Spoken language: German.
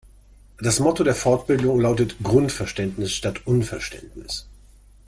Das Motto der Fortbildung lautet Grundverständnis statt Unverständnis.